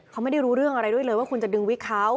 เขาไม่ได้รู้เรื่องอะไรด้วยเลยว่าคุณจะดึงวิกเขา